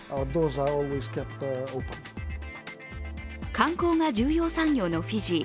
観光が重要産業のフィジー。